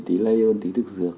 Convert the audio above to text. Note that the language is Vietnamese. tí lây ơn tí thực dược